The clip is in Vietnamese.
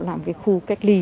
làm cái khu cách ly